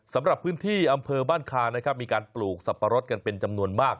สำหรับพื้นที่อำเภอบ้านคานะครับมีการปลูกสับปะรดกันเป็นจำนวนมาก